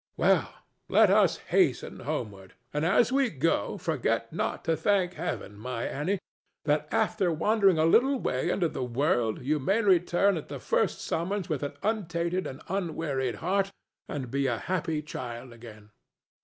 Well, let us hasten homeward; and as we go forget not to thank Heaven, my Annie, that after wandering a little way into the world you may return at the first summons with an untainted and unwearied heart, and be a happy child again.